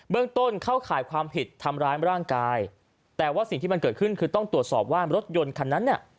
เรื่องต้นเข้าข่ายความผิดทำร้ายร่างกายแต่ว่าสิ่งที่มันเกิดขึ้นคือต้องตรวจสอบว่ารถยนต์คันนั้นเนี่ย